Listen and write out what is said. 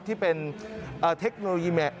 ที่เป็นเทคโนโลยี